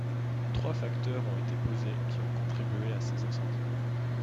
Trois facteurs ont été posés qui ont contribué à ces incendies.